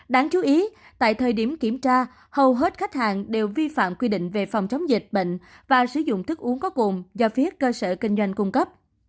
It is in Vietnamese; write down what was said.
đáng chú ý tại thời điểm kiểm tra hầu hết khách hàng đều vi phạm quy định về phòng chống dịch bệnh và sử dụng thức uống có cồn do phía cơ sở kinh doanh cung cấp